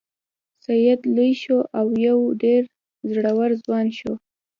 سید لوی شو او یو ډیر زړور ځوان شو.